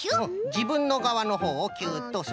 じぶんのがわのほうをキュッとする。